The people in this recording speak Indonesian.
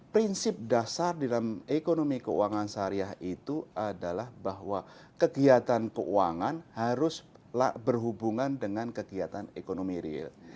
prinsip dasar di dalam ekonomi keuangan syariah itu adalah bahwa kegiatan keuangan haruslah berhubungan dengan kegiatan ekonomi real